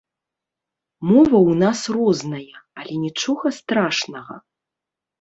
Мова ў нас розная, але нічога страшнага.